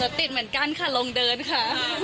ติดเหมือนกันค่ะลงเดินค่ะ